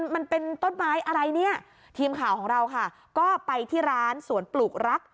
มันเป็นต้นไม้อะไรเนี่ยทีมข่าวของเราค่ะก็ไปที่ร้านสวนปลูกรัก